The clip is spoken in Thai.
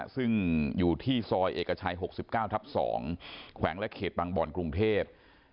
ซึ่งอยู่ที่ซอยเอกชัย๖๙ทับ๒แขวงและเขตบางบ่อนกรุงเทพ